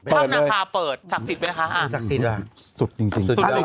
ถ้าบนาคาเปิดสักสิบไหมคะสักสิบ